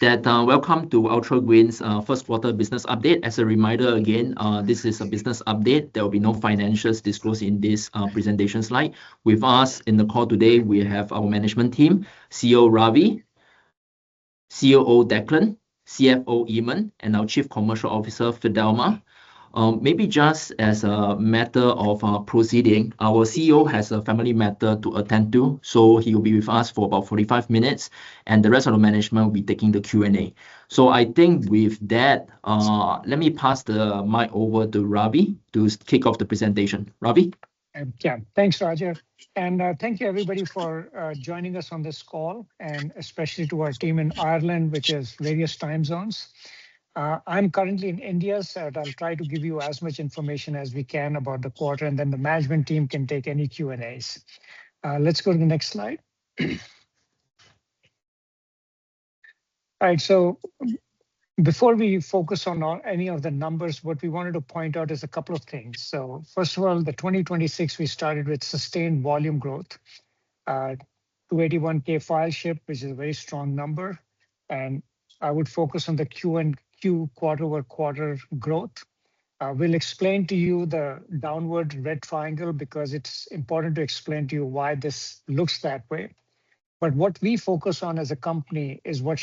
Welcome to UltraGreen's first quarter business update. As a reminder, again, this is a business update. There will be no financials disclosed in this presentation slide. With us on the call today, we have our management team, CEO Ravi, COO Declan, CFO Eamon, and our Chief Commercial Officer, Fidelma. Maybe just as a matter of proceeding, our CEO has a family matter to attend to, so he'll be with us for about 45 minutes, and the rest of the management will be taking the Q&A. I think with that, let me pass the mic over to Ravi to kick off the presentation. Ravi? Thanks, Roger. Thank you everybody for joining us on this call, and especially to our team in Ireland, which is various time zones. I'm currently in India. I'll try to give you as much information as we can about the quarter, and then the management team can take any Q&As. Let's go to the next slide. Before we focus on any of the numbers, what we wanted to point out is a couple of things. First of all, the 2026, we started with sustained volume growth. 281K files shipped, which is a very strong number, and I would focus on the Q and Q quarter-over-quarter growth. I will explain to you the downward red triangle because it's important to explain to you why this looks that way. What we focus on as a company is what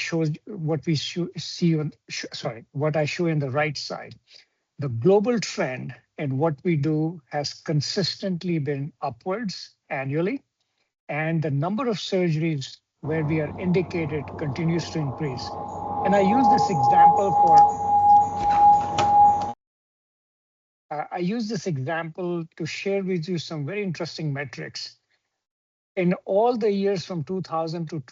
I show in the right side. The global trend in what we do has consistently been upwards annually, and the number of surgeries where we are indicated continues to increase. I use this example to share with you some very interesting metrics. In all the years from 2000 to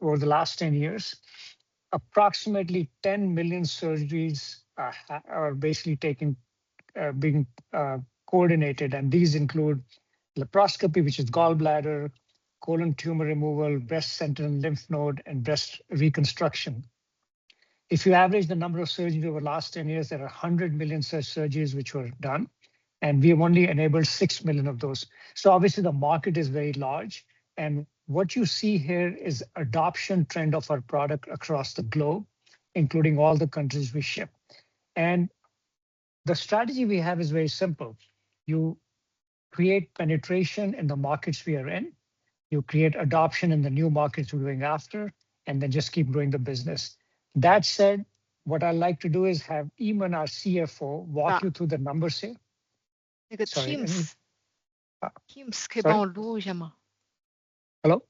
the last 10 years, approximately 10 million surgeries are basically being coordinated, and these include laparoscopy, which is gallbladder, colon tumor removal, breast center lymph node, and breast reconstruction. If you average the number of surgeries over the last 10 years, there are 100 million surgeries which were done, and we have only enabled 6 million of those. Obviously the market is very large, and what you see here is adoption trend of our product across the globe, including all the countries we ship. The strategy we have is very simple. You create penetration in the markets we are in, you create adoption in the new markets we're going after, and then just keep growing the business. That said, what I'd like to do is have Eamon, our CFO, walk you through the numbers here. Sorry. Hello?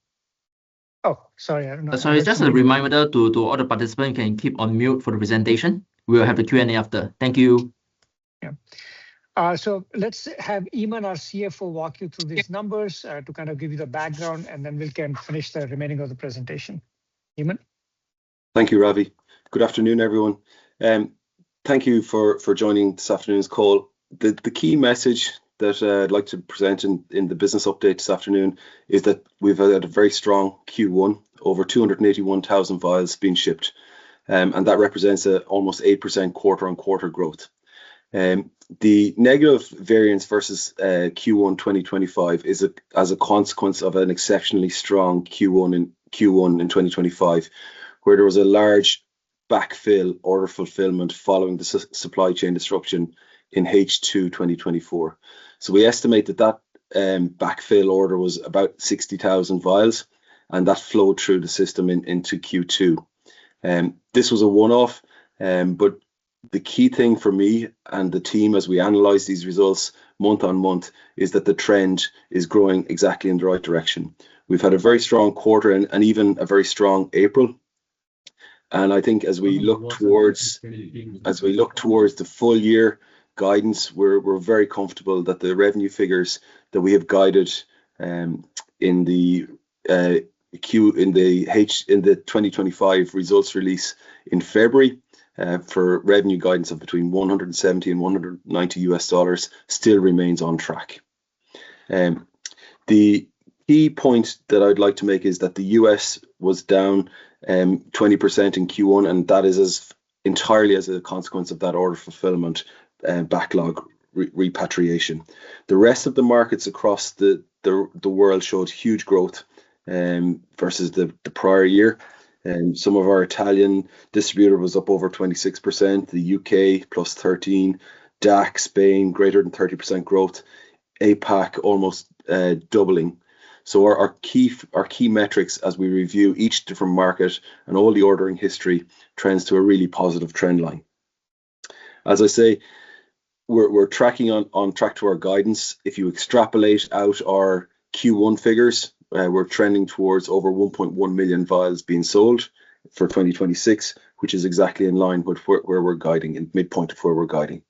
Oh, sorry. I don't know. Sorry. Just a reminder to all the participants, you can keep on mute for the presentation. We will have the Q&A after. Thank you. Let's have Eamon, our CFO, walk you through these numbers to give you the background, and then we can finish the remaining of the presentation. Eamon? Thank you, Ravi. Good afternoon, everyone. Thank you for joining this afternoon's call. The key message that I would like to present in the business update this afternoon is that we have had a very strong Q1. Over 281,000 vials being shipped. That represents almost 8% quarter-on-quarter growth. The negative variance versus Q1 2025 is as a consequence of an exceptionally strong Q1 in 2025, where there was a large backfill order fulfillment following the supply chain disruption in H2 2024. We estimate that that backfill order was about 60,000 vials, and that flowed through the system into Q2. This was a one-off. The key thing for me and the team as we analyze these results month-on-month is that the trend is growing exactly in the right direction. We have had a very strong quarter and even a very strong April. I think as we look towards the full year guidance, we are very comfortable that the revenue figures that we have guided in the 2025 results release in February for revenue guidance of between $170 million and $190 million still remains on track. The key point that I would like to make is that the U.S. was down 20% in Q1. That is as entirely as a consequence of that order fulfillment backlog repatriation. The rest of the markets across the world showed huge growth versus the prior year. Some of our Italian distributor was up over 26%, the U.K. plus 13%, DACH, Spain, greater than 30% growth, APAC almost doubling. Our key metrics as we review each different market and all the ordering history trends to a really positive trend line. As I say, we are on track to our guidance. If you extrapolate out our Q1 figures, we're trending towards over 1.1 million vials being sold for 2026, which is exactly in line with where we're guiding, in midpoint of where we're guiding.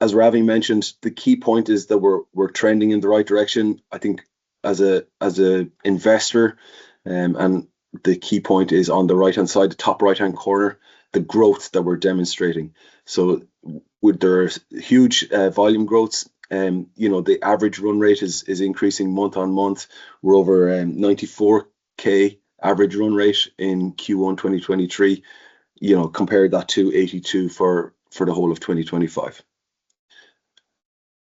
As Ravi mentioned, the key point is that we're trending in the right direction, I think as a investor, the key point is on the right-hand side, the top right-hand corner, the growth that we're demonstrating. There is huge volume growths. The average run rate is increasing month-on-month. We're over 94K average run rate in Q1 2023. Compare that to 82 for the whole of 2025.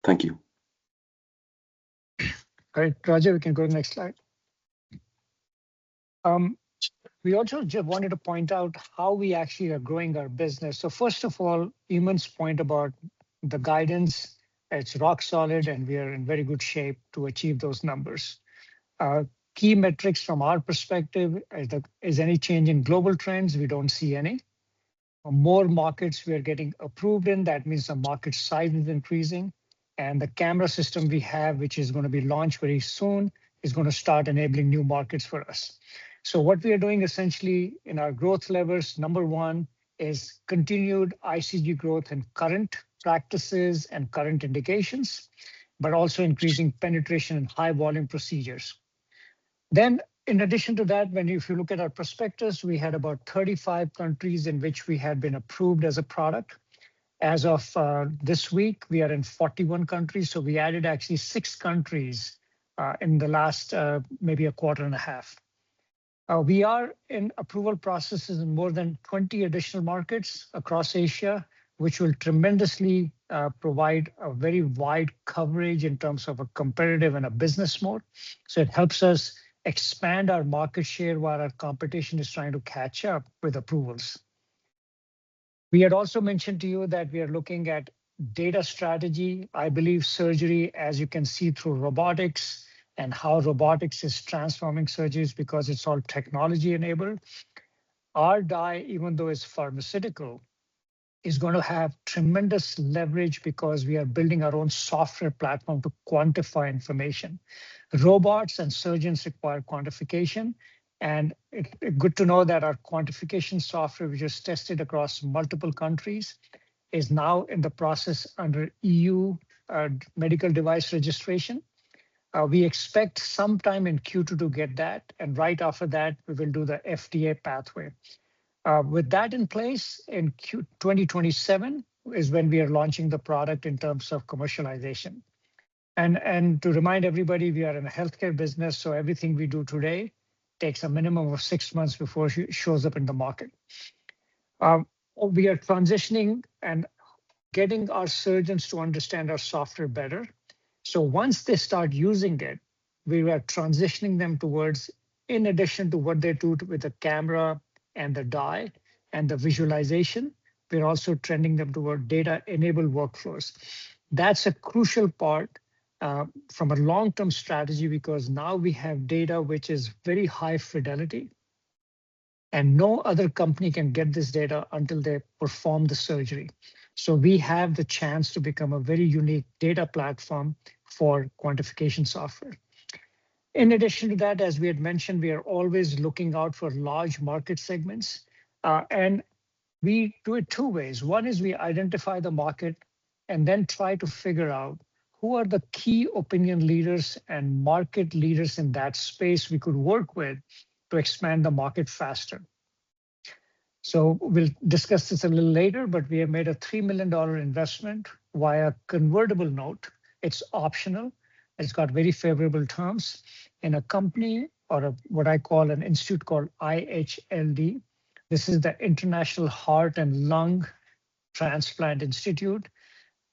Thank you. Great. Roger, we can go to the next slide. We also just wanted to point out how we actually are growing our business. First of all, Eamon's point about the guidance, it's rock solid, we are in very good shape to achieve those numbers. Key metrics from our perspective, is any change in global trends? We don't see any. More markets we are getting approved in, that means the market size is increasing. The camera system we have, which is going to be launched very soon, is going to start enabling new markets for us. What we are doing essentially in our growth levers, number one is continued ICG growth and current practices and current indications, but also increasing penetration in high volume procedures. In addition to that, if you look at our prospectus, we had about 35 countries in which we had been approved as a product. As of this week, we are in 41 countries, so we added actually six countries in the last maybe a quarter and a half. We are in approval processes in more than 20 additional markets across Asia, which will tremendously provide a very wide coverage in terms of a competitive and a business moat. It helps us expand our market share while our competition is trying to catch up with approvals. We had also mentioned to you that we are looking at data strategy. I believe surgery, as you can see through robotics and how robotics is transforming surgeries because it's all technology-enabled. Our dye, even though it's pharmaceutical, is going to have tremendous leverage because we are building our own software platform to quantify information. Robots and surgeons require quantification, good to know that our quantification software, which is tested across multiple countries, is now in the process under EU medical device registration. We expect sometime in Q2 to get that, and right after that, we will do the FDA pathway. With that in place, in 2027 is when we are launching the product in terms of commercialization. To remind everybody, we are in the healthcare business, so everything we do today takes a minimum of six months before it shows up in the market. We are transitioning and getting our surgeons to understand our software better. Once they start using it, we were transitioning them towards, in addition to what they do with the camera and the dye and the visualization, we're also trending them toward data-enabled workflows. That's a crucial part from a long-term strategy because now we have data which is very high fidelity, no other company can get this data until they perform the surgery. We have the chance to become a very unique data platform for quantification software. In addition to that, as we had mentioned, we are always looking out for large market segments. We do it two ways. One is we identify the market and then try to figure out who are the Key Opinion Leaders and market leaders in that space we could work with to expand the market faster. We'll discuss this a little later, but we have made a $3 million investment via convertible note. It's optional. It's got very favorable terms in a company or what I call an institute called IHLD. This is the International Heart and Lung Transplant Institute,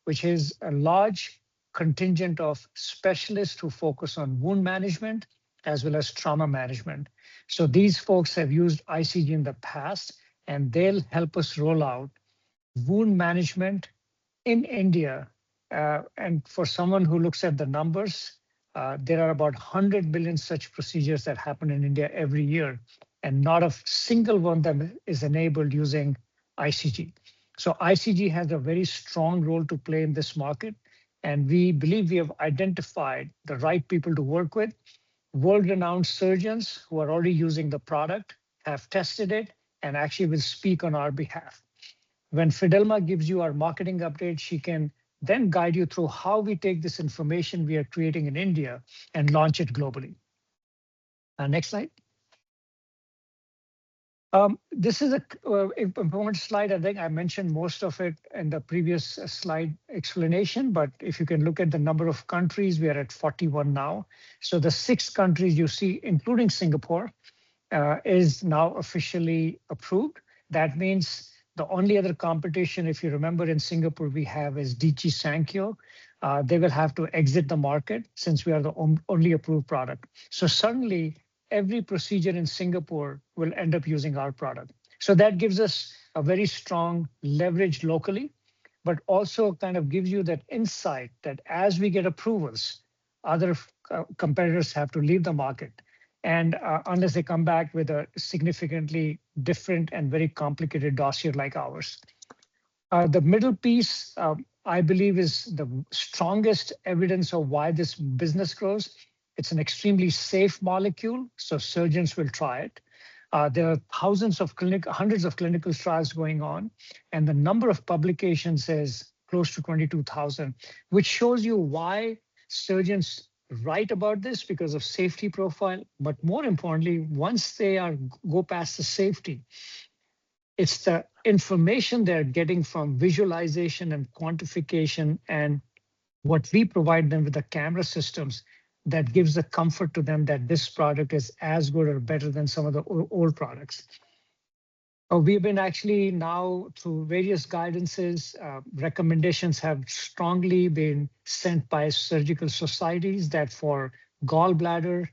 which is a large contingent of specialists who focus on wound management as well as trauma management. These folks have used ICG in the past, and they'll help us roll out wound management in India. For someone who looks at the numbers, there are about 100 million such procedures that happen in India every year, not a single one of them is enabled using ICG. ICG has a very strong role to play in this market, and we believe we have identified the right people to work with. World-renowned surgeons who are already using the product, have tested it, and actually will speak on our behalf. When Fidelma gives you our marketing update, she can then guide you through how we take this information we are creating in India and launch it globally. Next slide. This is a important slide. I think I mentioned most of it in the previous slide explanation, but if you can look at the number of countries, we are at 41 now. The six countries you see, including Singapore, is now officially approved. That means the only other competition, if you remember, in Singapore we have is Daiichi Sankyo. They will have to exit the market since we are the only approved product. Suddenly, every procedure in Singapore will end up using our product. That gives us a very strong leverage locally, but also kind of gives you that insight that as we get approvals, other competitors have to leave the market. Unless they come back with a significantly different and very complicated dossier like ours. The middle piece, I believe is the strongest evidence of why this business grows. It's an extremely safe molecule, so surgeons will try it. There are hundreds of clinical trials going on, and the number of publications is close to 22,000, which shows you why surgeons write about this because of safety profile. But more importantly, once they go past the safety, it's the information they're getting from visualization and quantification and what we provide them with the camera systems that gives the comfort to them that this product is as good or better than some of the old products. We've been actually now through various guidances. Recommendations have strongly been sent by surgical societies that for gallbladder,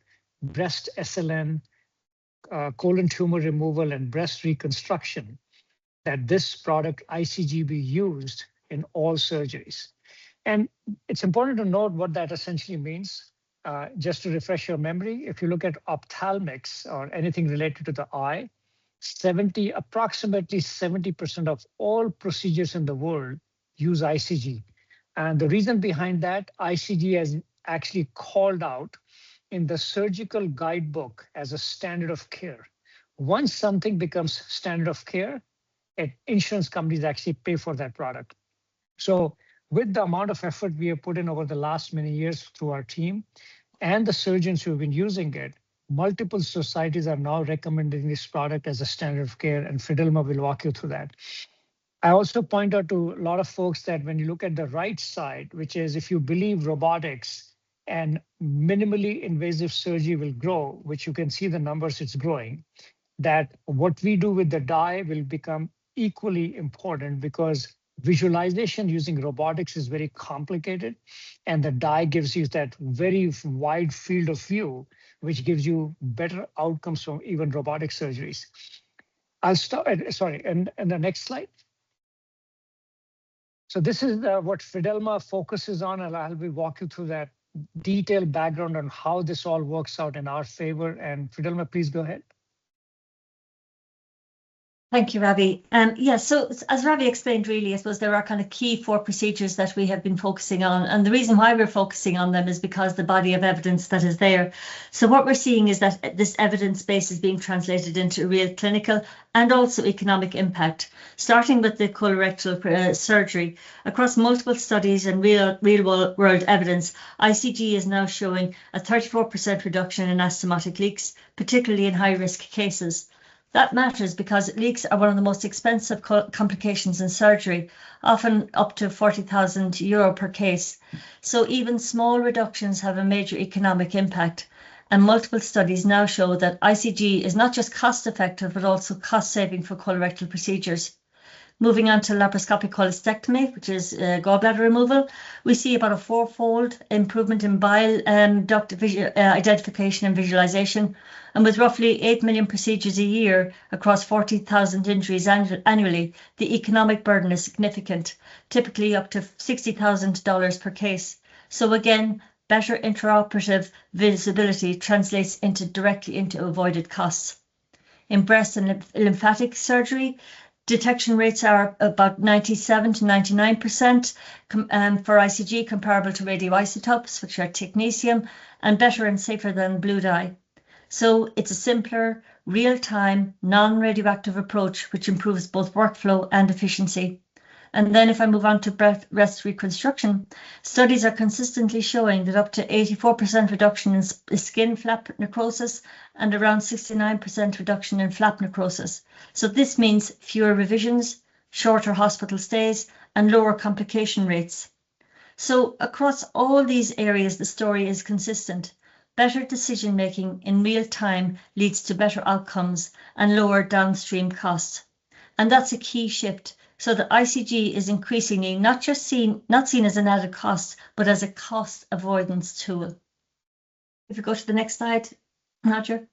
breast SLN, colon tumor removal, and breast reconstruction, that this product ICG be used in all surgeries. It's important to note what that essentially means. Just to refresh your memory, if you look at ophthalmics or anything related to the eye, approximately 70% of all procedures in the world use ICG. The reason behind that, ICG is actually called out in the surgical guidebook as a standard of care. Once something becomes standard of care, insurance companies actually pay for that product. With the amount of effort we have put in over the last many years through our team and the surgeons who have been using it, multiple societies are now recommending this product as a standard of care, and Fidelma will walk you through that. I also point out to a lot of folks that when you look at the right side, which is if you believe robotics and minimally invasive surgery will grow, which you can see the numbers, it's growing, that what we do with the dye will become equally important because visualization using robotics is very complicated, and the dye gives you that very wide field of view, which gives you better outcomes from even robotic surgeries. Sorry, the next slide. This is what Fidelma focuses on, and I'll walk you through that detailed background on how this all works out in our favor. Fidelma, please go ahead. Thank you, Ravi. As Ravi explained really, I suppose there are kind of key four procedures that we have been focusing on. The reason why we're focusing on them is because the body of evidence that is there. What we're seeing is that this evidence base is being translated into real clinical and also economic impact. Starting with the colorectal surgery. Across multiple studies and real-world evidence, ICG is now showing a 34% reduction in anastomotic leaks, particularly in high-risk cases. That matters because leaks are one of the most expensive complications in surgery, often up to €40,000 per case. Even small reductions have a major economic impact, and multiple studies now show that ICG is not just cost-effective, but also cost-saving for colorectal procedures. Moving on to laparoscopic cholecystectomy, which is gallbladder removal, we see about a fourfold improvement in bile duct identification and visualization. With roughly 8 million procedures a year across 40,000 injuries annually, the economic burden is significant, typically up to $60,000 per case. Again, better intraoperative visibility translates directly into avoided costs. In breast and lymphatic surgery, detection rates are about 97%-99% for ICG comparable to radioisotopes, which are technetium, and better and safer than blue dye. It's a simpler, real-time, non-radioactive approach which improves both workflow and efficiency. If I move on to breast reconstruction, studies are consistently showing up to 84% reduction in skin flap necrosis and around 69% reduction in flap necrosis. This means fewer revisions, shorter hospital stays, and lower complication rates. Across all these areas, the story is consistent. Better decision-making in real time leads to better outcomes and lower downstream costs. That's a key shift. The ICG is increasingly not seen as an added cost, but as a cost avoidance tool. If you go to the next slide, Roger.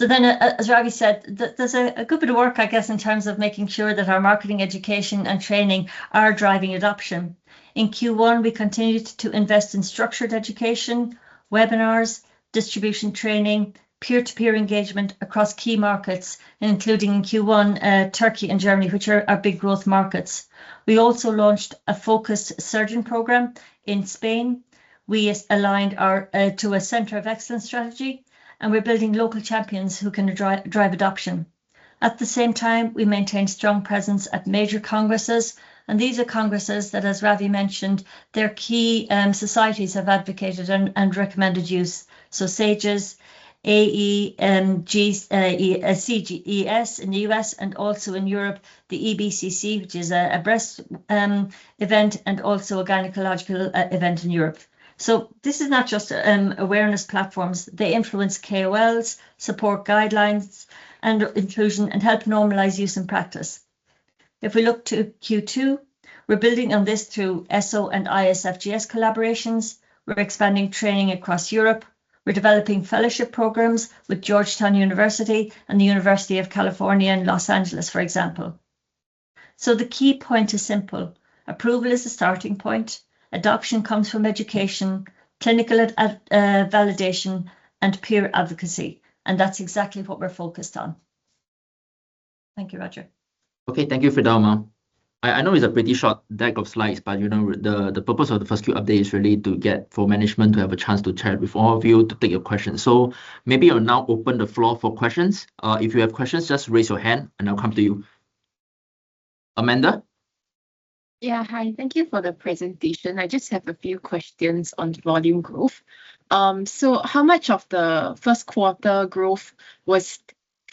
As Ravi said, there's a good bit of work, I guess, in terms of making sure that our marketing education and training are driving adoption. In Q1, we continued to invest in structured education, webinars, distribution training, peer-to-peer engagement across key markets, including in Q1, Turkey and Germany, which are our big growth markets. We also launched a focused surgeon program in Spain. We aligned to a center of excellence strategy, and we're building local champions who can drive adoption. At the same time, we maintained strong presence at major congresses. These are congresses that, as Ravi mentioned, their key societies have advocated and recommended use. SAGES, AE, CGES in the U.S., and also in Europe, the EBCC, which is a breast event, and also a gynecological event in Europe. This is not just awareness platforms. They influence KOLs, support guidelines and inclusion, and help normalize use and practice. If we look to Q2, we're building on this through ESSO and ISFGS collaborations. We're expanding training across Europe. We're developing fellowship programs with Georgetown University and the University of California in L.A., for example. The key point is simple. Approval is the starting point. Adoption comes from education, clinical validation, and peer advocacy. That's exactly what we're focused on. Thank you, Roger. Okay. Thank you, Fidelma. I know it's a pretty short deck of slides, the purpose of the first few updates is really to get for management to have a chance to chat with all of you to take your questions. Maybe I'll now open the floor for questions. If you have questions, just raise your hand, and I'll come to you. Amanda? Hi. Thank you for the presentation. I just have a few questions on volume growth. How much of the first quarter growth was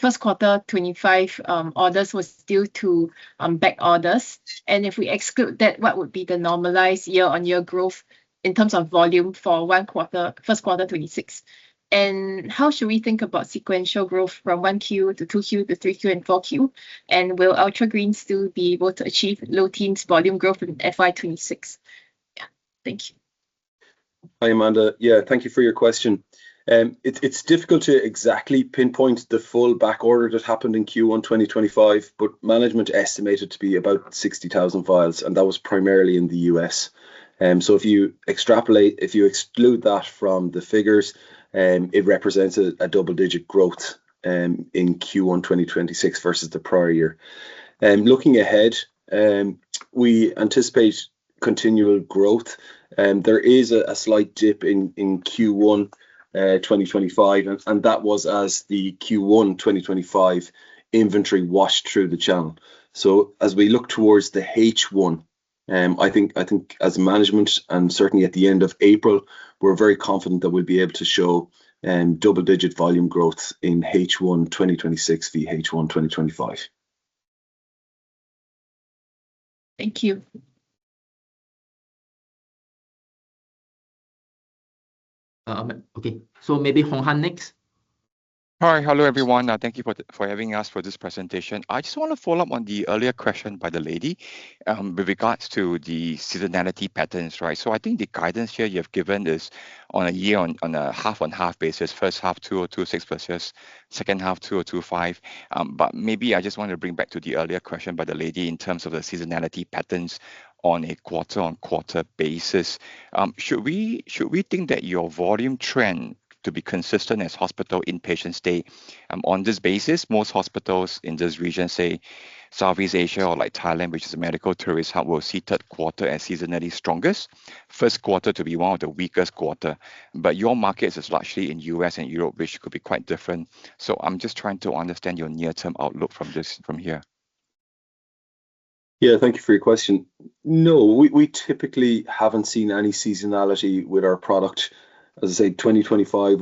first quarter 2025 orders was due to back orders? If we exclude that, what would be the normalized year-over-year growth in terms of volume for first quarter 2026? How should we think about sequential growth from 1Q to 2Q to 3Q and 4Q? Will UltraGreen.ai still be able to achieve low teens volume growth in FY 2026? Yeah. Thank you. Hi, Amanda. Yeah, thank you for your question. It's difficult to exactly pinpoint the full backorder that happened in Q1 2025, but management estimated it to be about 60,000 vials, and that was primarily in the U.S. If you exclude that from the figures, it represents a double-digit growth in Q1 2026 versus the prior year. Looking ahead, we anticipate continual growth. There is a slight dip in Q1 2025, and that was as the Q1 2025 inventory washed through the channel. As we look towards the H1, I think as management, and certainly at the end of April, we're very confident that we'll be able to show double-digit volume growth in H1 2026 v H1 2025. Thank you. Maybe Hong Han next. Hello, everyone. Thank you for having us for this presentation. I just want to follow up on the earlier question by the lady with regards to the seasonality patterns. I think the guidance here you have given is on a year, on a half-on-half basis, first half 202.6+, second half 202.5. Maybe I just want to bring back to the earlier question by the lady in terms of the seasonality patterns on a quarter-on-quarter basis. Should we think that your volume trend to be consistent as hospital inpatient stay? On this basis, most hospitals in this region, say Southeast Asia or like Thailand, which is a medical tourist hub, will see third quarter as seasonality strongest, first quarter to be one of the weakest quarter. Your markets is largely in U.S. and Europe, which could be quite different. I'm just trying to understand your near-term outlook from here. Thank you for your question. We typically haven't seen any seasonality with our product. As I say, 2025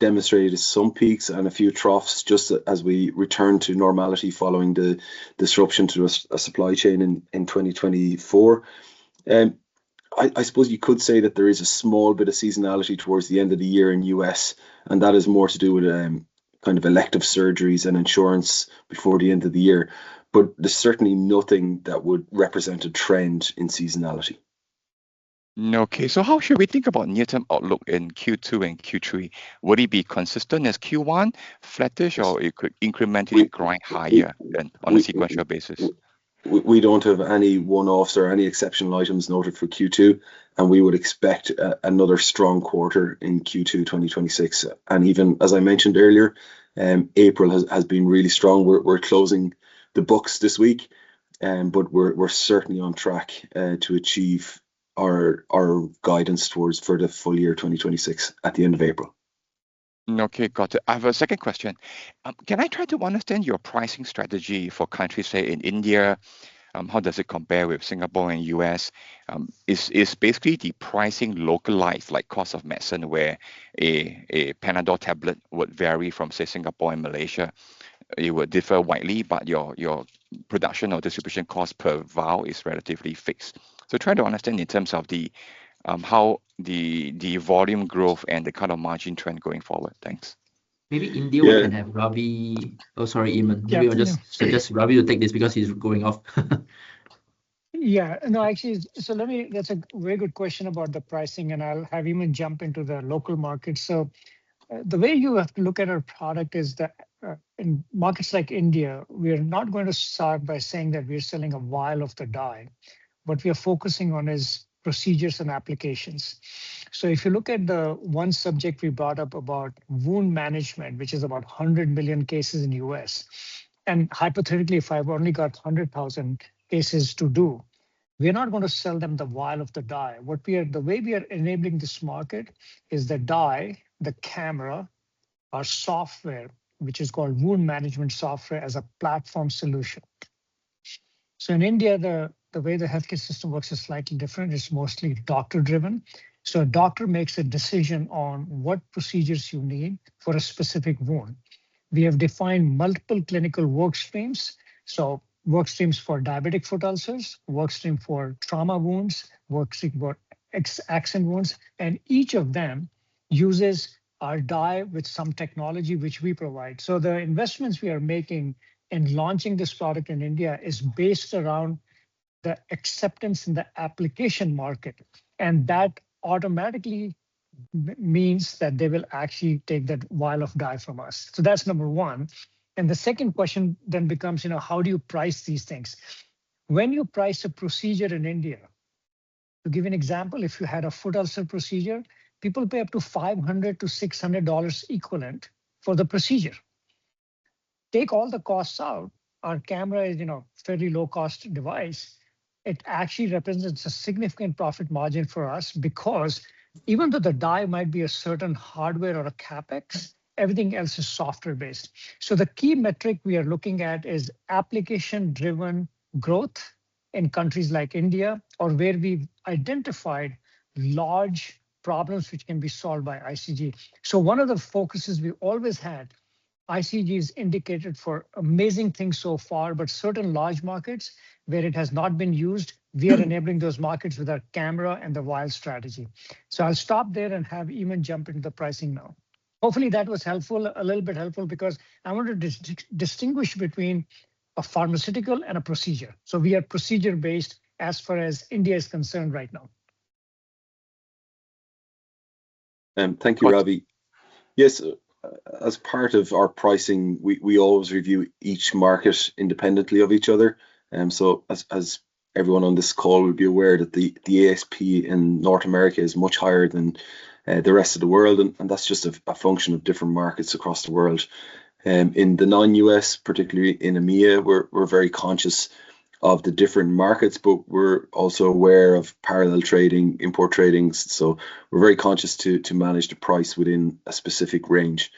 demonstrated some peaks and a few troughs just as we return to normality following the disruption to a supply chain in 2024. I suppose you could say that there is a small bit of seasonality towards the end of the year in U.S., and that is more to do with elective surgeries and insurance before the end of the year. There's certainly nothing that would represent a trend in seasonality. How should we think about near-term outlook in Q2 and Q3? Would it be consistent as Q1, flattish, or it could incrementally growing higher than on a sequential basis? We don't have any one-offs or any exceptional items noted for Q2, we would expect another strong quarter in Q2 2026. Even as I mentioned earlier, April has been really strong. We're closing the books this week, but we're certainly on track to achieve our guidance for the full year 2026 at the end of April. Okay, got it. I have a second question. Can I try to understand your pricing strategy for countries, say, in India? How does it compare with Singapore and U.S.? Is basically the pricing localized like cost of medicine, where a PANADOL tablet would vary from, say, Singapore and Malaysia? It would differ widely, but your production or distribution cost per vial is relatively fixed. Trying to understand in terms of how the volume growth and the kind of margin trend going forward. Thanks. Maybe India Yeah We can have Ravi. Oh, sorry, Eamon. Yeah, it's okay. Maybe I'll just suggest Ravi to take this because he's going off. No, actually. That's a very good question about the pricing, and I'll have Eamon jump into the local market. The way you have to look at our product is that in markets like India, we're not going to start by saying that we're selling a vial of the dye. What we are focusing on is procedures and applications. If you look at the one subject we brought up about wound management, which is about 100 million cases in the U.S., and hypothetically, if I've only got 100,000 cases to do, we are not going to sell them the vial of the dye. The way we are enabling this market is the dye, the camera, our software, which is called wound management software, as a platform solution. In India, the way the healthcare system works is slightly different. It's mostly doctor-driven. A doctor makes a decision on what procedures you need for a specific wound. We have defined multiple clinical work streams, work streams for diabetic foot ulcers, work stream for trauma wounds, work stream for accident wounds, and each of them uses our dye with some technology which we provide. The investments we are making in launching this product in India is based around the acceptance in the application market, and that automatically means that they will actually take that vial of dye from us. That's number one. The second question then becomes, how do you price these things? When you price a procedure in India, to give you an example, if you had a foot ulcer procedure, people pay up to $500-$600 equivalent for the procedure. Take all the costs out. Our camera is fairly low-cost device. It actually represents a significant profit margin for us because even though the dye might be a certain hardware or a CapEx, everything else is software-based. The key metric we are looking at is application-driven growth in countries like India or where we've identified large problems which can be solved by ICG. One of the focuses we've always had. ICG is indicated for amazing things so far, but certain large markets where it has not been used, we are enabling those markets with our camera and the VIAL strategy. I'll stop there and have Eamon jump into the pricing now. Hopefully, that was a little bit helpful because I want to distinguish between a pharmaceutical and a procedure. We are procedure-based as far as India is concerned right now. Thank you, Ravi. Yes. As part of our pricing, we always review each market independently of each other. As everyone on this call will be aware that the ASP in North America is much higher than the rest of the world, and that's just a function of different markets across the world. In the non-U.S., particularly in EMEA, we're very conscious of the different markets, but we're also aware of parallel trading, import tradings. We're very conscious to manage the price within a specific range.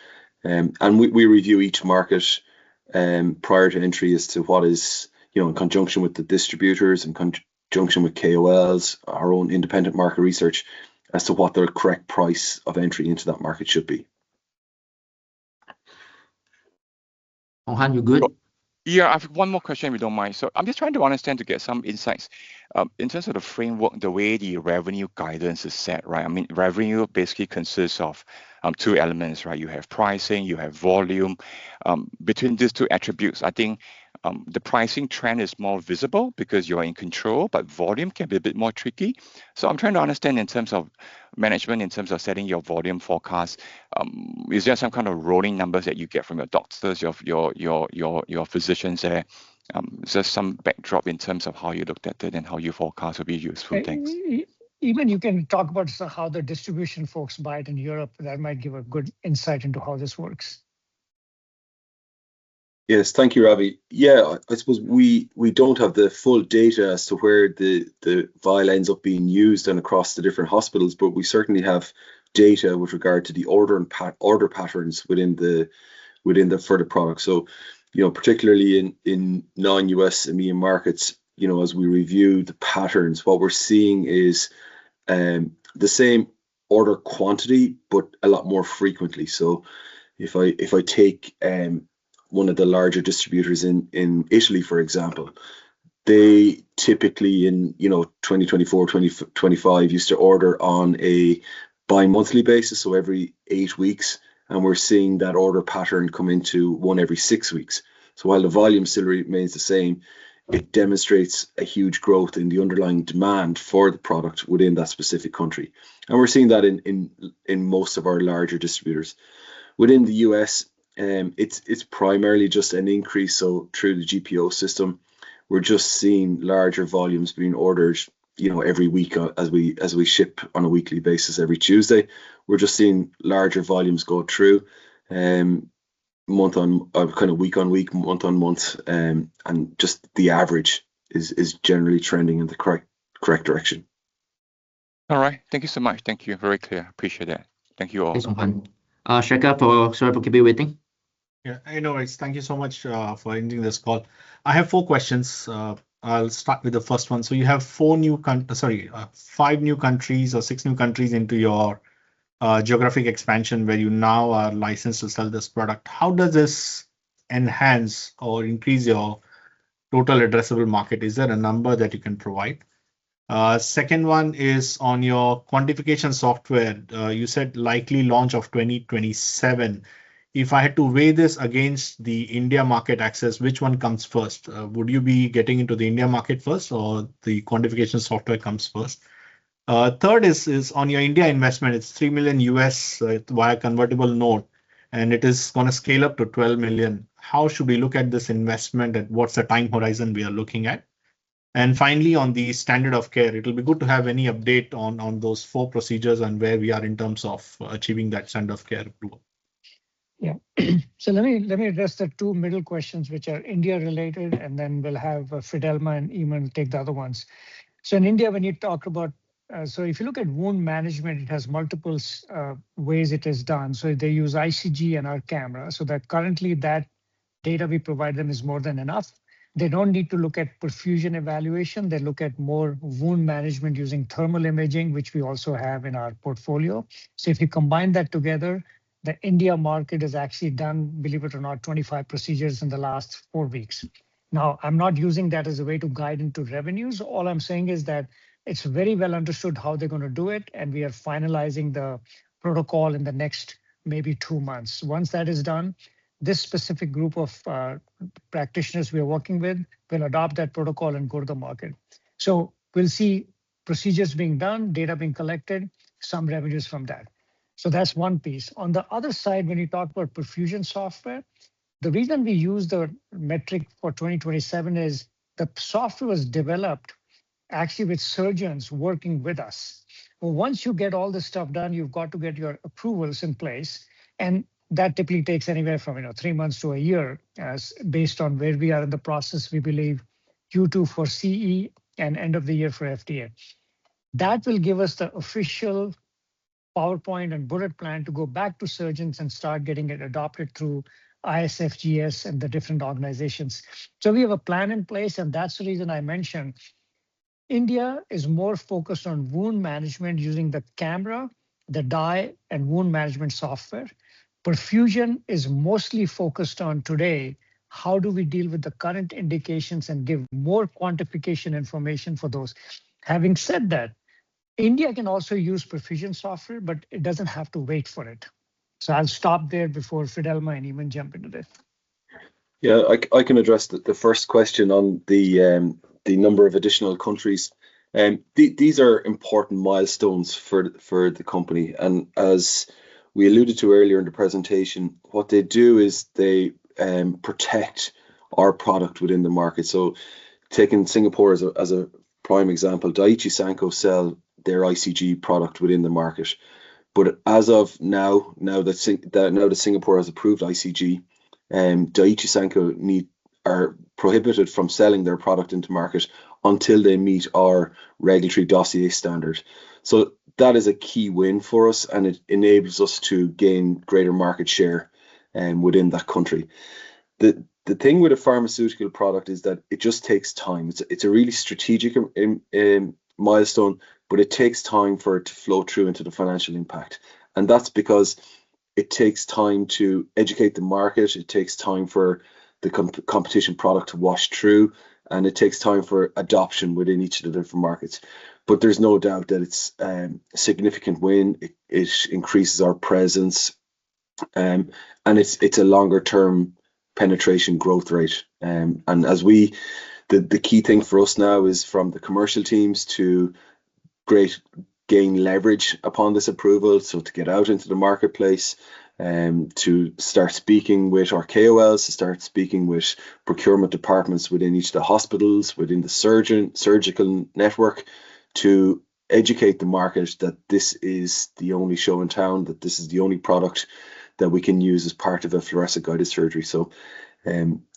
We review each market prior to entry as to what is in conjunction with the distributors, in conjunction with KOLs, our own independent market research as to what the correct price of entry into that market should be. Hong Han, you good? Yeah. I have one more question, if you don't mind. I'm just trying to understand to get some insights. In terms of the framework, the way the revenue guidance is set. Revenue basically consists of two elements. You have pricing, you have volume. Between these two attributes, I think, the pricing trend is more visible because you're in control, but volume can be a bit more tricky. I'm trying to understand in terms of management, in terms of setting your volume forecast, is there some kind of rolling numbers that you get from your doctors, your physicians there? Is there some backdrop in terms of how you looked at it and how you forecast will be useful, thanks. Eamon, you can talk about how the distribution folks buy it in Europe. That might give a good insight into how this works. Yes. Thank you, Ravi. I suppose we don't have the full data as to where the vial ends up being used and across the different hospitals, but we certainly have data with regard to the order patterns for the product. Particularly in non-U.S. EMEA markets as we review the patterns, what we're seeing is the same order quantity, but a lot more frequently. If I take one of the larger distributors in Italy, for example, they typically in 2024, 2025, used to order on a bi-monthly basis, every eight weeks. We're seeing that order pattern come into one every six weeks. While the volume still remains the same, it demonstrates a huge growth in the underlying demand for the product within that specific country. We're seeing that in most of our larger distributors. Within the U.S., it's primarily just an increase through the GPO system. We're just seeing larger volumes being ordered every week as we ship on a weekly basis every Tuesday. We're just seeing larger volumes go through week on week, month on month, and just the average is generally trending in the correct direction. All right. Thank you so much. Thank you. Very clear. Appreciate it. Thank you all. Thanks, Mohan. Shekhar, sorry for keeping you waiting. No worries. Thank you so much for including this call. I have four questions. I'll start with the first one. You have five new countries or six new countries into your geographic expansion where you now are licensed to sell this product. How does this enhance or increase your total addressable market? Is there a number that you can provide? Second one is on your quantification software. You said likely launch of 2027. If I had to weigh this against the India market access, which one comes first? Would you be getting into the India market first or the quantification software comes first? Third is on your India investment. It's $3 million via convertible note, and it is going to scale up to $12 million. How should we look at this investment, and what's the time horizon we are looking at? Finally, on the standard of care, it'll be good to have any update on those four procedures and where we are in terms of achieving that standard of care goal. Let me address the two middle questions, which are India-related, and then we'll have Fidelma and Eamon take the other ones. In India, if you look at wound management, it has multiple ways it is done. They use ICG and our camera. Currently, that data we provide them is more than enough. They don't need to look at perfusion evaluation. They look at more wound management using thermal imaging, which we also have in our portfolio. If you combine that together, the India market has actually done, believe it or not, 25 procedures in the last four weeks. I'm not using that as a way to guide into revenues. All I'm saying is that it's very well understood how they're going to do it, and we are finalizing the protocol in the next maybe two months. Once that is done, this specific group of practitioners we are working with will adopt that protocol and go to the market. We'll see procedures being done, data being collected, some revenues from that. That's one piece. On the other side, when you talk about perfusion software, the reason we use the metric for 2027 is the software was developed actually with surgeons working with us. Once you get all this stuff done, you've got to get your approvals in place, and that typically takes anywhere from 3 months to 1 year. Based on where we are in the process, we believe Q2 for CE and end of the year for FDA. That will give us the official PowerPoint and bullet plan to go back to surgeons and start getting it adopted through ISFGS and the different organizations. So we have a plan in place, and that's the reason I mentionedIndia is more focused on wound management using the camera, the dye, and wound management software. Perfusion is mostly focused on today, how do we deal with the current indications and give more quantification information for those? Having said that, India can also use perfusion software, but it doesn't have to wait for it. So I'll stop there before Fidelma and Eamon jump into this. Yeah, I can address the first question on the number of additional countries. These are important milestones for the company. And as we alluded to earlier in the presentation, what they do is they protect our product within the market. So taking Singapore as a prime example, Daiichi Sankyo sell their ICG product within the market. But as of now, now that Singapore has approved ICG, Daiichi Sankyo are prohibited from selling their product into market until they meet our regulatory dossier standard. So that is a key win for us, and it enables us to gain greater market share within that country. The thing with a pharmaceutical product is that it just takes time. It's a really strategic milestone, but it takes time for it to flow through into the financial impact. That's because it takes time to educate the market, it takes time for the competition product to wash through, and it takes time for adoption within each of the different markets. There's no doubt that it's a significant win. It increases our presence, and it's a longer-term penetration growth rate. The key thing for us now is from the commercial teams to gain leverage upon this approval, to get out into the marketplace, to start speaking with our KOLs, to start speaking with procurement departments within each of the hospitals, within the surgical network to educate the market that this is the only show in town, that this is the only product that we can use as part of a fluorescence-guided surgery.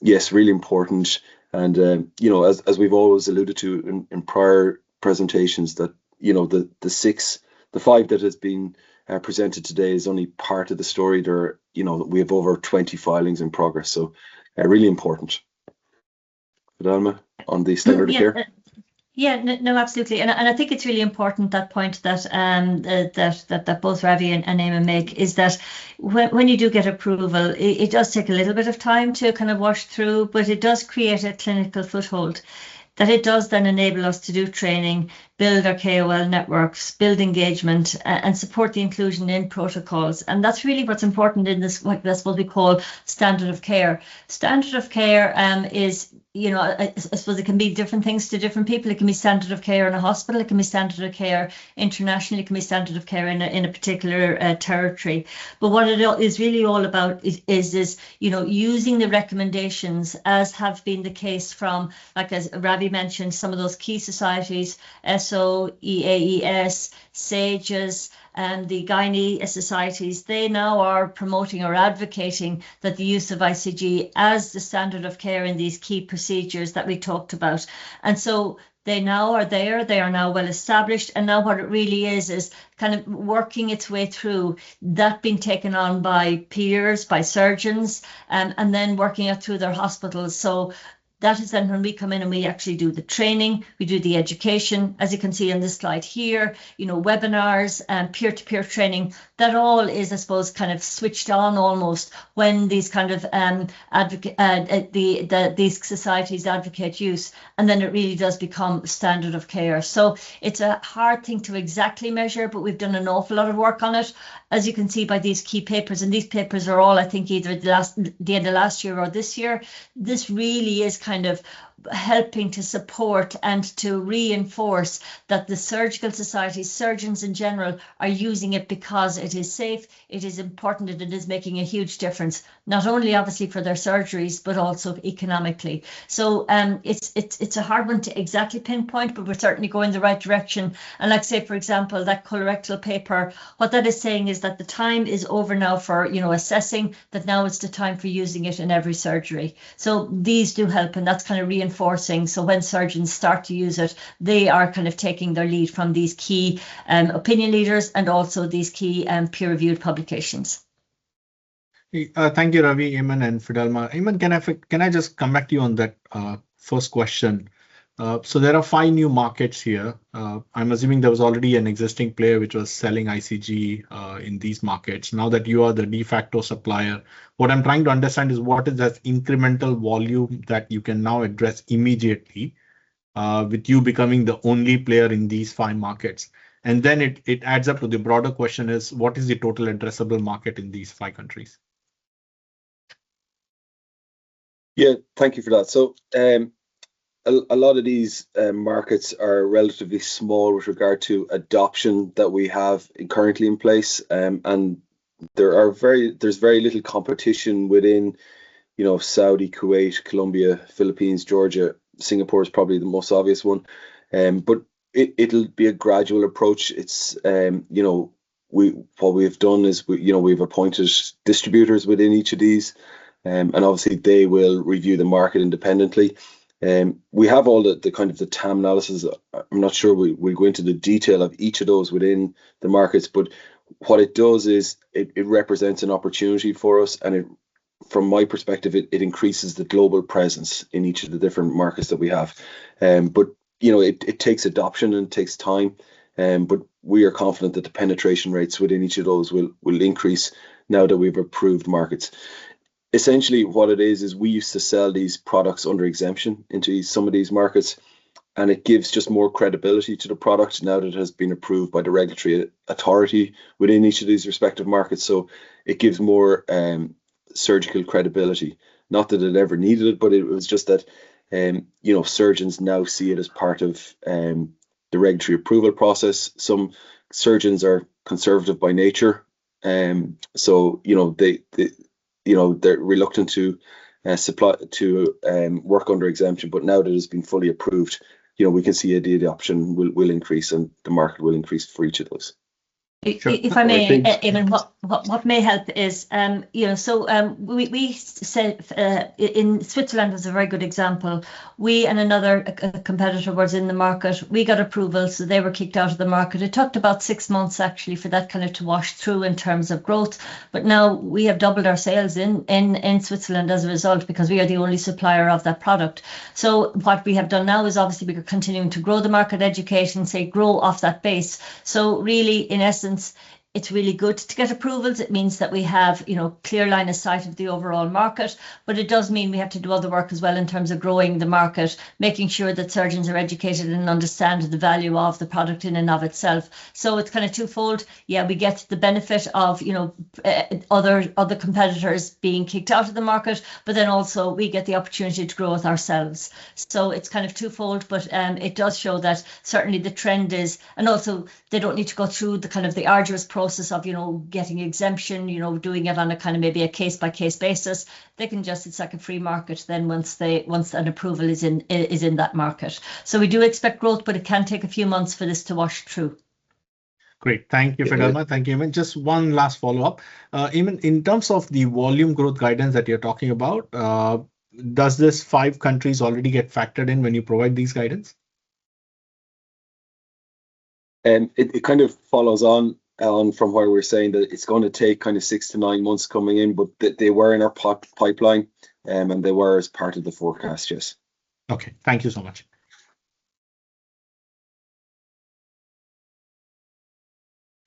Yes, really important. As we've always alluded to in prior presentations, the five that have been presented today is only part of the story. We have over 20 filings in progress. Really important. Fidelma, on the standard of care. Yeah, no, absolutely. I think it's really important that point that both Ravi and Eamon make is that when you do get approval, it does take a little bit of time to kind of wash through, but it does create a clinical foothold. That it does then enable us to do training, build our KOL networks, build engagement, and support the inclusion in protocols. That's really what's important in this, what we call standard of care. Standard of care is, I suppose, it can be different things to different people. It can be standard of care in a hospital, it can be standard of care internationally, it can be standard of care in a particular territory. What it is really all about is this, using the recommendations as have been the case from, like as Ravi mentioned, some of those key societies, ESSO, EAES, SAGES, the gynae societies. They now are promoting or advocating that the use of ICG as the standard of care in these key procedures that we talked about. They now are there. They are now well-established. Now what it really is kind of working its way through that being taken on by peers, by surgeons, and then working it through their hospitals. That is then when we come in and we actually do the training, we do the education. As you can see on this slide here, webinars and peer-to-peer training. All is, I suppose, kind of switched on almost when these societies advocate use, and then it really does become standard of care. It's a hard thing to exactly measure, but we've done an awful lot of work on it, as you can see by these key papers. These papers are all, I think, either at the end of last year or this year. This really is kind of helping to support and to reinforce that the surgical societies, surgeons in general, are using it because it is safe, it is important, and it is making a huge difference, not only obviously for their surgeries, but also economically. It's a hard one to exactly pinpoint, but we're certainly going the right direction. Let's say, for example, that colorectal paper, what that is saying is that the time is over now for assessing, that now is the time for using it in every surgery. These do help, and that's kind of reinforcing. When surgeons start to use it, they are kind of taking their lead from these key opinion leaders and also these key peer-reviewed publications. Thank you, Ravi, Eamon, and Fidelma. Eamon, can I just come back to you on that first question? There are five new markets here. I'm assuming there was already an existing player which was selling ICG in these markets. Now that you are the de facto supplier, what I'm trying to understand is what is that incremental volume that you can now address immediately, with you becoming the only player in these five markets? It adds up to the broader question is, what is the total addressable market in these five countries? Thank you for that. A lot of these markets are relatively small with regard to adoption that we have currently in place. There's very little competition within Saudi, Kuwait, Colombia, Philippines, Georgia. Singapore is probably the most obvious one. It'll be a gradual approach. What we have done is we've appointed distributors within each of these, and obviously they will review the market independently. We have all the kind of the TAM analysis. I'm not sure we'll go into the detail of each of those within the markets, but what it does is it represents an opportunity for us. From my perspective, it increases the global presence in each of the different markets that we have. It takes adoption and it takes time. We are confident that the penetration rates within each of those will increase now that we've approved markets. Essentially, what it is we used to sell these products under exemption into some of these markets, it gives just more credibility to the product now that it has been approved by the regulatory authority within each of these respective markets. It gives more surgical credibility. Not that it ever needed it, but it was just that surgeons now see it as part of the regulatory approval process. Some surgeons are conservative by nature, so they're reluctant to work under exemption. Now that it's been fully approved, we can see the adoption will increase, and the market will increase for each of those. Sure. If I may, Eamon, what may help is, Switzerland is a very good example. We and another competitor was in the market. We got approval, so they were kicked out of the market. It took about 6 months, actually, for that to wash through in terms of growth. Now we have doubled our sales in Switzerland as a result, because we are the only supplier of that product. What we have done now is, obviously, we are continuing to grow the market education, say grow off that base. Really, in essence, it's really good to get approvals. It means that we have clear line of sight of the overall market. It does mean we have to do other work as well in terms of growing the market, making sure that surgeons are educated and understand the value of the product in and of itself. It's twofold. We get the benefit of other competitors being kicked out of the market, also we get the opportunity to grow it ourselves. It's twofold, but it does show that certainly the trend is. Also they don't need to go through the arduous process of getting exemption, doing it on a maybe a case-by-case basis. They can just, it's like a free market then once an approval is in that market. We do expect growth, but it can take a few months for this to wash through. Great. Thank you, Fidelma. Thank you, Eamon. Just one last follow-up. Eamon, in terms of the volume growth guidance that you're talking about, does these five countries already get factored in when you provide these guidance? It follows on from what we were saying, that it's going to take six to nine months coming in. They were in our pipeline, and they were as part of the forecast. Yes. Okay. Thank you so much.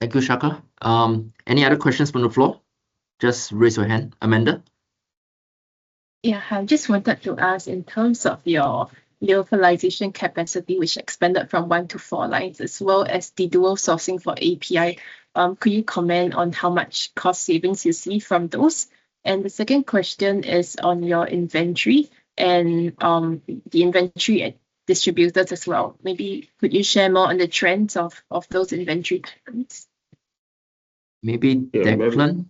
Thank you, Shekhar. Any other questions from the floor? Just raise your hand. Amanda? Yeah. I just wanted to ask in terms of your lyophilization capacity, which expanded from one to four lines, as well as the dual sourcing for API, could you comment on how much cost savings you see from those? The second question is on your inventory and the inventory distributors as well. Maybe could you share more on the trends of those inventory trends? Maybe Declan.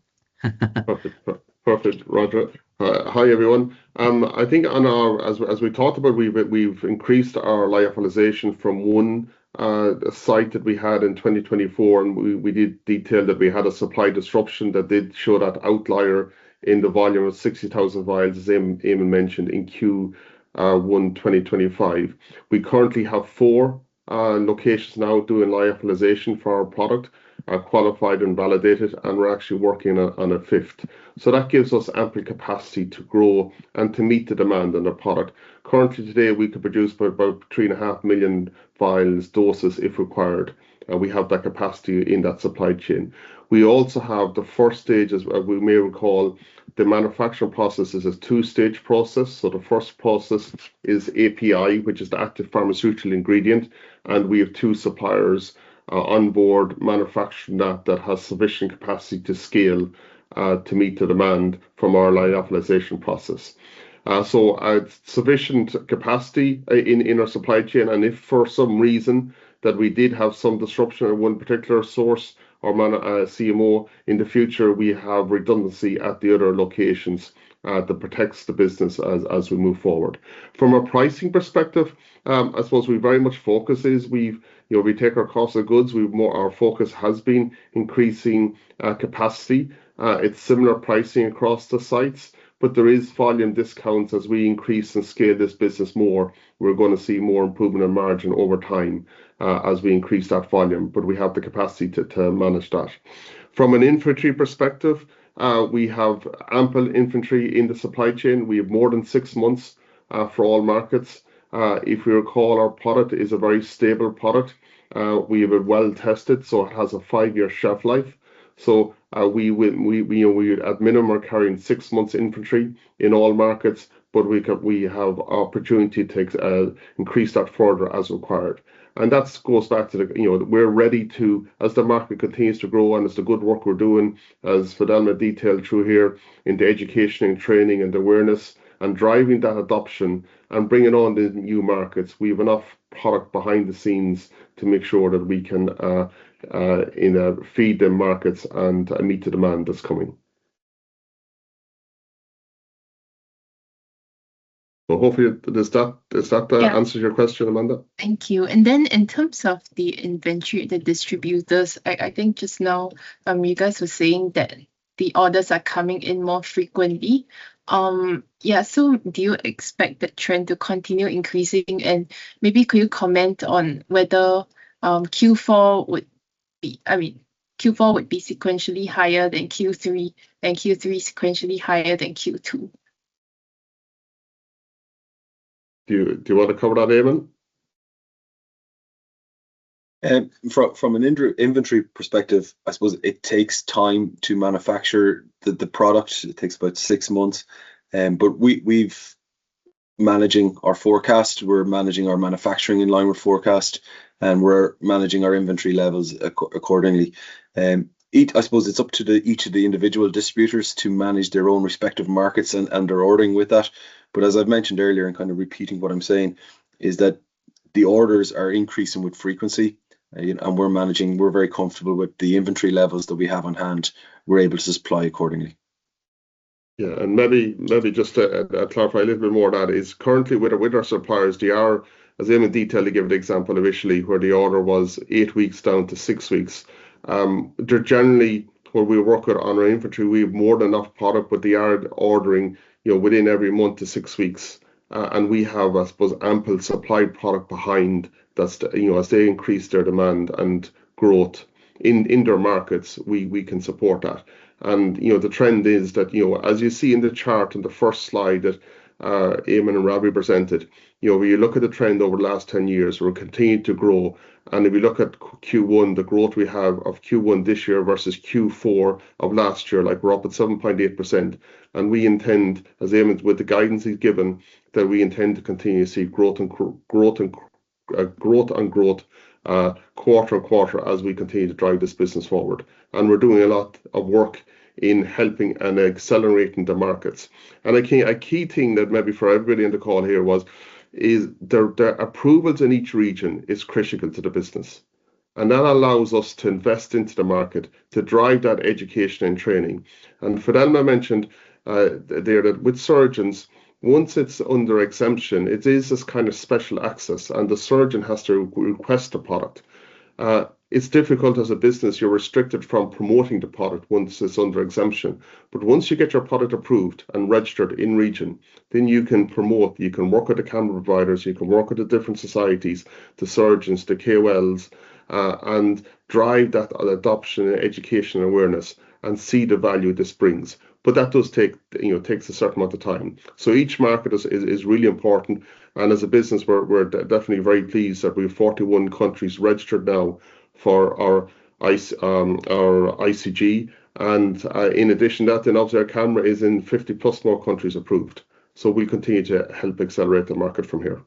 Perfect. Roger. Hi, everyone. I think as we talked about, we've increased our lyophilization from one site that we had in 2024, and we did detail that we had a supply disruption that did show that outlier in the volume of 60,000 vials, as Eamon mentioned, in Q1 2025. We currently have four locations now doing lyophilization for our product, are qualified and validated, and we're actually working on a fifth. That gives us ample capacity to grow and to meet the demand on the product. Currently today, we could produce about 3.5 million vials, doses, if required. We have that capacity in that supply chain. We also have the first stage, as we may recall, the manufacturing process is a 2-stage process. The first process is API, which is the active pharmaceutical ingredient. We have two suppliers on board manufacturing that has sufficient capacity to scale to meet the demand from our lyophilization process. Sufficient capacity in our supply chain. If for some reason that we did have some disruption in one particular source or CMO in the future, we have redundancy at the other locations that protects the business as we move forward. From a pricing perspective, I suppose we very much focus is we take our cost of goods. Our focus has been increasing capacity. It's similar pricing across the sites, but there is volume discounts. As we increase and scale this business more, we're going to see more improvement in margin over time as we increase that volume. We have the capacity to manage that. From an inventory perspective, we have ample inventory in the supply chain. We have more than six months for all markets. If we recall, our product is a very stable product. We have it well tested, so it has a five-year shelf life. We, at minimum, are carrying six months inventory in all markets, but we have opportunity to increase that further as required. That goes back to the, we're ready to, as the market continues to grow and as the good work we're doing, as Fidelma detailed through here in the education and training and the awareness and driving that adoption and bringing on the new markets. We have enough product behind the scenes to make sure that we can feed the markets and meet the demand that's coming. Hopefully, does that answer your question, Amanda? Thank you. Then in terms of the inventory, the distributors, I think just now you guys were saying that the orders are coming in more frequently. Yeah. Do you expect the trend to continue increasing? Maybe could you comment on whether Q4 would, I mean, Q4 would be sequentially higher than Q3 and Q3 sequentially higher than Q2. Do you want to cover that, Eamon? From an inventory perspective, I suppose it takes time to manufacture the product. It takes about six months. We're managing our forecast, we're managing our manufacturing in line with forecast, and we're managing our inventory levels accordingly. I suppose it's up to each of the individual distributors to manage their own respective markets and their ordering with that. As I've mentioned earlier and kind of repeating what I'm saying, is that the orders are increasing with frequency, and we're managing. We're very comfortable with the inventory levels that we have on hand. We're able to supply accordingly. Yeah. Maybe just to clarify a little bit more of that is currently with our suppliers, they are, as Eamon detailed, he gave the example initially where the order was eight weeks down to six weeks. They're generally, where we work with on our inventory, we have more than enough product, but they are ordering within every month to six weeks. We have, I suppose, ample supplied product behind that as they increase their demand and growth in their markets, we can support that. The trend is that as you see in the chart in the first slide that Eamon and Ravi presented, when you look at the trend over the last 10 years, we're continuing to grow. If we look at Q1, the growth we have of Q1 this year versus Q4 of last year, like we're up at 7.8%. We intend, as Eamon with the guidance he's given, that we intend to continue to see growth and growth quarter-on-quarter as we continue to drive this business forward. We're doing a lot of work in helping and accelerating the markets. I think a key thing that maybe for everybody in the call here was, is the approvals in each region is critical to the business. That allows us to invest into the market to drive that education and training. Fidelma mentioned there that with surgeons, once it's under exemption, it is this kind of special access and the surgeon has to request the product. It's difficult as a business, you're restricted from promoting the product once it's under exemption. Once you get your product approved and registered in region, you can promote, you can work with the camera providers, you can work with the different societies, the surgeons, the KOLs and drive that adoption and education awareness and see the value this brings. That does take a certain amount of time. Each market is really important. As a business, we're definitely very pleased that we have 41 countries registered now for our ICG. In addition to that, obviously our camera is in 50+ more countries approved. We'll continue to help accelerate the market from here.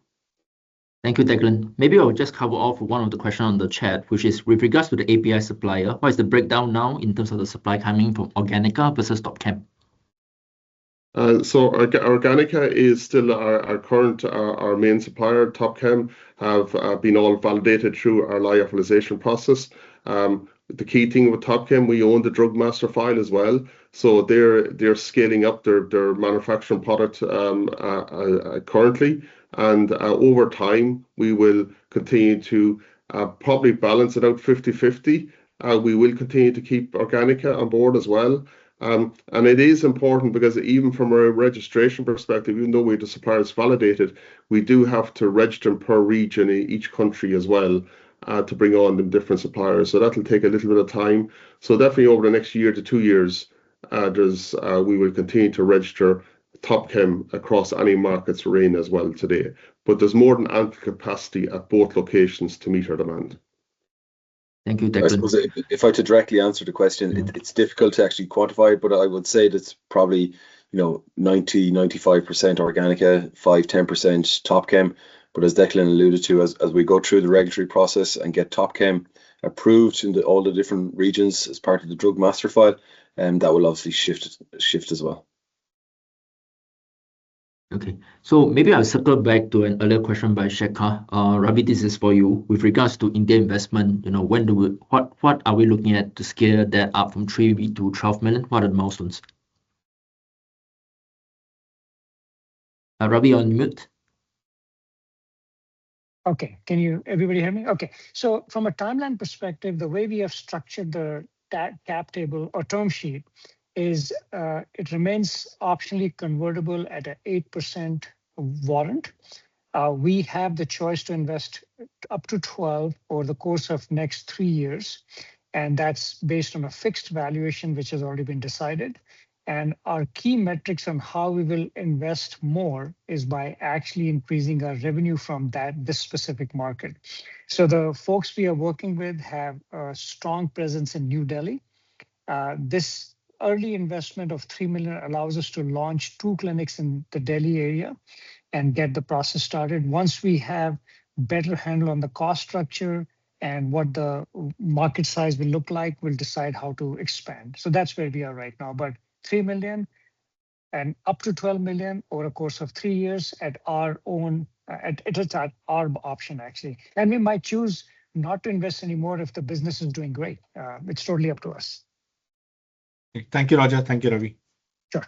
Thank you, Declan. Maybe I'll just cover off one of the question on the chat, which is with regards to the API supplier, what is the breakdown now in terms of the supply coming from Organica versus TopChem? Organica is still our current main supplier. TopChem have been all validated through our lyophilization process. The key thing with TopChem, we own the drug master file as well. They're scaling up their manufacturing product currently. Over time, we will continue to probably balance it out 50/50. We will continue to keep Organica on board as well. It is important because even from a registration perspective, even though the supplier is validated, we do have to register per region in each country as well to bring on the different suppliers. That'll take a little bit of time. Definitely over the next year to two years, we will continue to register TopChem across any markets we're in as well today. There's more than ample capacity at both locations to meet our demand. Thank you, Declan. I suppose if I were to directly answer the question, it's difficult to actually quantify it, but I would say that's probably 90%-95% Organica, 5%-10% TopChem. As Declan alluded to, as we go through the regulatory process and get TopChem approved into all the different regions as part of the drug master file, that will obviously shift as well. Okay. Maybe I'll circle back to an earlier question by Shekhar. Ravi, this is for you. With regards to India investment, what are we looking at to scale that up from $3 million-$12 million? What are the milestones? Ravi, you're on mute. Okay. Can everybody hear me? Okay. From a timeline perspective, the way we have structured the cap table or term sheet is it remains optionally convertible at an 8% warrant. We have the choice to invest up to $12 million over the course of next three years, and that's based on a fixed valuation, which has already been decided. Our key metrics on how we will invest more is by actually increasing our revenue from this specific market. The folks we are working with have a strong presence in New Delhi. This early investment of $3 million allows us to launch two clinics in the Delhi area and get the process started. Once we have better handle on the cost structure and what the market size will look like, we'll decide how to expand. That's where we are right now. $3 million and up to $12 million over a course of three years at our own. It is our option, actually. We might choose not to invest any more if the business is doing great. It's totally up to us. Thank you, Roger. Thank you, Ravi. Sure.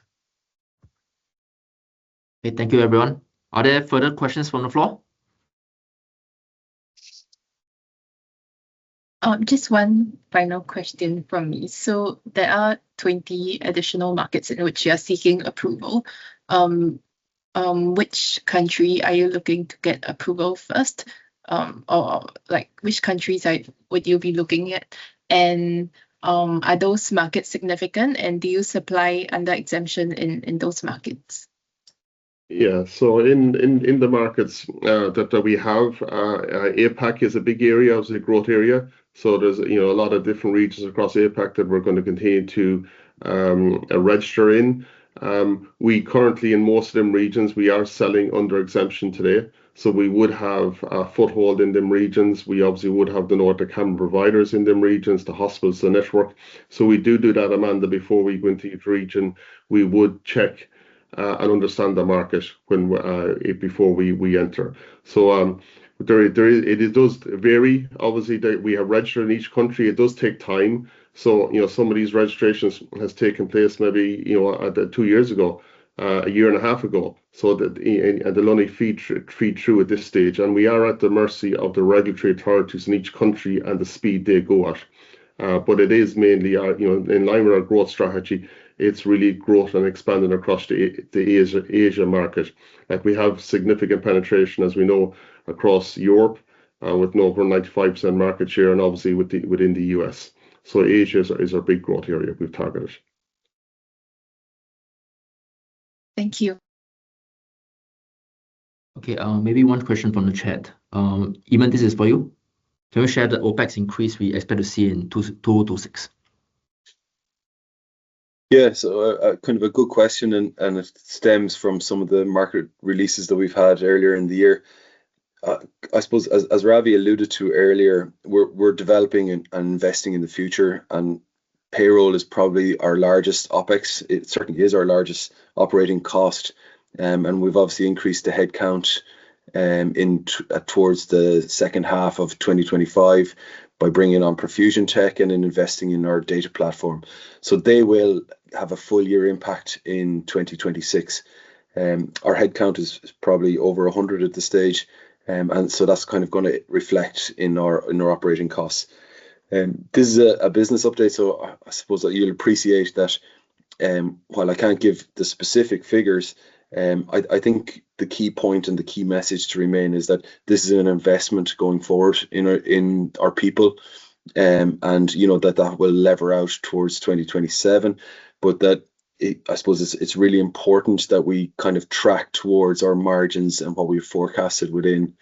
Okay. Thank you, everyone. Are there further questions from the floor? Just one final question from me. There are 20 additional markets in which you are seeking approval. Which country are you looking to get approval first? Which countries would you be looking at? Are those markets significant, and do you supply under exemption in those markets? Yeah. In the markets that we have, APAC is a big area, obviously a growth area. There's a lot of different regions across APAC that we're going to continue to register in. We currently, in most of them regions, we are selling under exemption today. We would have a foothold in them regions. We obviously would have the Nordica providers in them regions, the hospitals, the network. We do that, Amanda, before we go into each region. We would check and understand the market before we enter. It does vary. Obviously, we have registered in each country. It does take time. Some of these registrations has taken place maybe two years ago, a year and a half ago, they'll only feed through at this stage. We are at the mercy of the regulatory authorities in each country and the speed they go at. It is mainly in line with our growth strategy. It's really growth and expanding across the Asia market. We have significant penetration, as we know, across Europe, with over 95% market share, and obviously within the U.S. Asia is our big growth area we've targeted. Thank you. Okay, maybe one question from the chat. Eamon, this is for you. Can you share the OpEx increase we expect to see in 2026? Yeah. So a good question, and it stems from some of the market releases that we've had earlier in the year. As Ravi alluded to earlier, we're developing and investing in the future, and payroll is probably our largest OpEx. It certainly is our largest operating cost. We've obviously increased the headcount towards the second half of 2025 by bringing on Perfusion Tech and in investing in our data platform. They will have a full year impact in 2026. Our headcount is probably over 100 at this stage. That's going to reflect in our operating costs. This is a business update, I suppose that you'll appreciate that while I can't give the specific figures, I think the key point and the key message to remain is that this is an investment going forward in our people, and that that will lever out towards 2027. That, I suppose, it's really important that we track towards our margins and what we forecasted within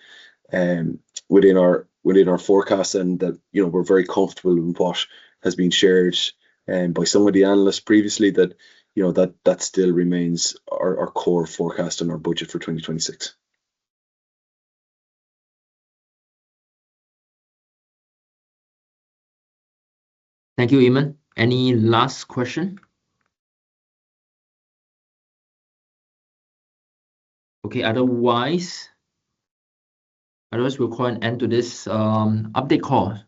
our forecasts and that we're very comfortable in what has been shared by some of the analysts previously. That still remains our core forecast and our budget for 2026. Thank you, Eamon. Any last question? Otherwise, we'll call an end to this update call.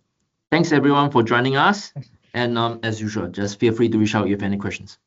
Thanks, everyone, for joining us. As usual, just feel free to reach out if you have any questions.